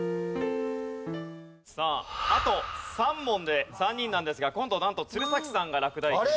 さああと３問で３人なんですが今度なんと鶴崎さんが落第圏内。